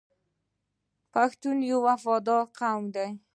پښتون یو وفادار قوم دی.